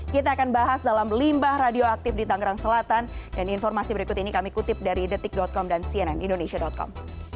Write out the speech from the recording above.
kita akan bahas dalam limbah radioaktif di tangerang selatan dan informasi berikut ini kami kutip dari detik com dan cnnindonesia com